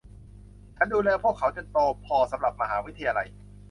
ฉันดูแลพวกเขาจนพวกเขาโตพอสำหรับมหาวิทยาลัย